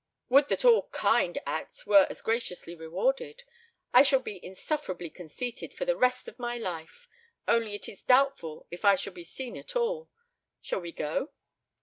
"Would that all 'kind' acts were as graciously rewarded. I shall be insufferably conceited for the rest of my life only it is doubtful if I shall be seen at all. Shall we go?"